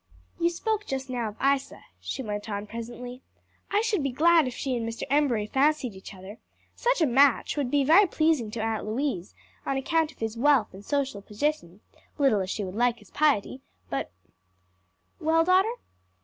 "You spoke just now of Isa," she went on presently. "I should be glad if she and Mr. Embury fancied each other; such a match would be very pleasing to Aunt Louise on account of his wealth and social position, little as she would like his piety, but " "Well, daughter?"